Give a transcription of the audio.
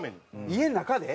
家の中で？